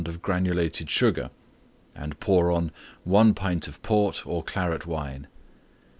of Granulated Sugar and pour on 1 pint of Port or Claret Wine.